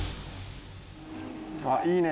あっいいね。